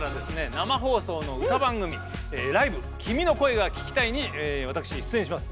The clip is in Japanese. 生放送の歌番組「Ｌｉｖｅ君の声が聴きたい」にわたくし出演します。